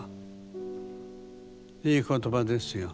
いい言葉ですよ。